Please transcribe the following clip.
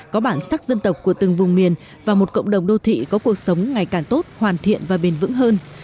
có bản sắc dân tộc của từng vùng miền và một cộng đồng đô thị có cuộc sống ngày càng tốt hoàn thiện và bền vững hơn